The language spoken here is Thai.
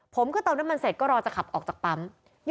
ผมก็เติมน้ำมันเสร็จก็รอจะขับออกจากปั๊ม